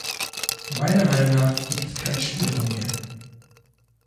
Meiner Meinung nach gibt es keinen Spielraum mehr.